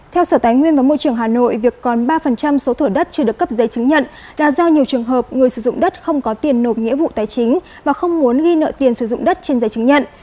theo sở tài nguyên và môi trường hà nội việc còn ba số thửa đất chưa được cấp giấy chứng nhận là do nhiều trường hợp người sử dụng đất không có tiền nộp nghĩa vụ tài chính và không muốn ghi nợ tiền sử dụng đất trên giấy chứng nhận